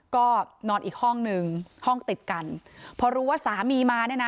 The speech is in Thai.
ก็นอนอีกห้องหนึ่งห้องติดกันพอรู้ว่าสามีมาเนี่ยนะ